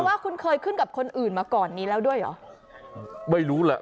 ว่าคุณเคยขึ้นกับคนอื่นมาก่อนนี้แล้วด้วยเหรอไม่รู้แหละ